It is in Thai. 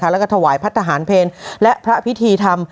แล้วก็ถวายพระทหารเพลและพระพิธีธรรม